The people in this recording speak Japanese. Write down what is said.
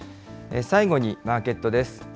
最後にマーケットです。